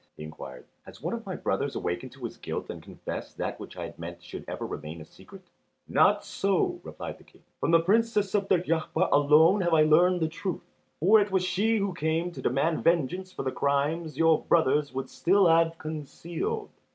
he inquired, "has one of my brothers awakened to his guilt, and confessed that which I had meant should ever remain a secret?" "Not so," replied the King, "from the Princess of Deryabar alone have I learned the truth. For she it was who came to demand vengeance for the crime which your brothers would still have concealed."